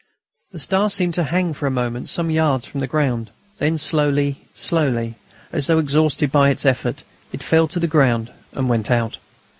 The star seemed to hang for a moment some yards from the ground; then slowly, slowly, as though exhausted by its effort, it fell to the ground and went out.